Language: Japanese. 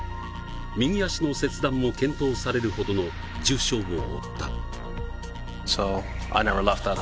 右足の切断を検討されるほどの重傷を負った。